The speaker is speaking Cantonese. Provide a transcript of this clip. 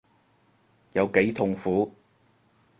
有幾痛苦